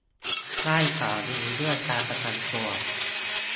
ได้ข่าวดีเรื่องการประกันตัว